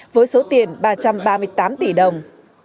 với số tiền ba trăm ba mươi tám tỷ đồng